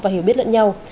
và hiểu biết lẫn nhau